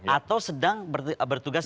atau sedang bertugas